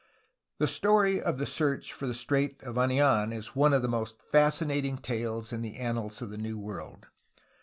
The story of the search for the Strait of Anid,n is one of the most fascinating tales in the annals of the New World.